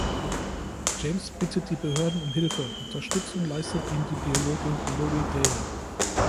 James bittet die Behörden um Hilfe, Unterstützung leistet ihm die Biologin Lori Dale.